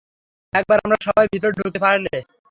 একবার আমরা সবাই ভিতরে ঢুকতে পারলে।